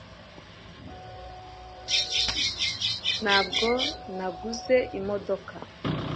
ntabwo naguze imodoka